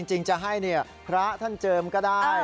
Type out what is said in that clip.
จริงจะให้พระท่านเจิมก็ได้